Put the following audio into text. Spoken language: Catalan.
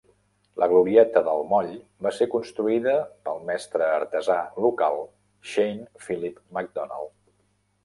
La glorieta del moll va ser construïda pel mestre artesà local Shane Phillip MacDonald.